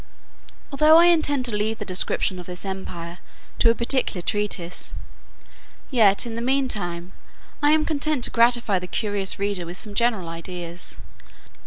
Although I intend to leave the description of this empire to a particular treatise, yet, in the mean time, I am content to gratify the curious reader with some general ideas.